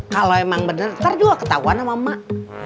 kalo emang bener ntar juga ketauan sama mak